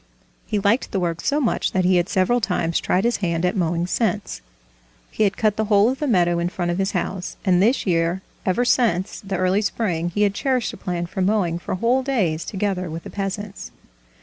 He liked the work so much that he had several times tried his hand at mowing since. He had cut the whole of the meadow in front of his house, and this year ever since the early spring he had cherished a plan for mowing for whole days together with the peasants.